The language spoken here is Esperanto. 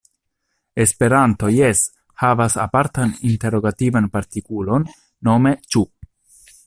Esperanto jes havas apartan interogativan partukulon, nome "ĉu".